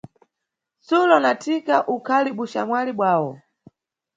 Sulo na Thika ukhali buxamwali bwawo.